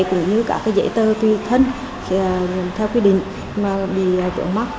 cũng như các dễ tơ tùy thân theo quy định mà bị vượng mắc